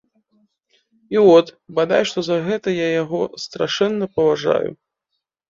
І от, бадай што, за гэта я яго страшэнна паважаю.